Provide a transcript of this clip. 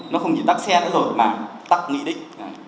nó không chỉ tắt xe nữa rồi mà tắt nghị định cả